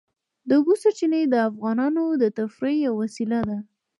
د اوبو سرچینې د افغانانو د تفریح یوه وسیله ده.